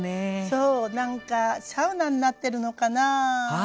そうなんかサウナになってるのかな？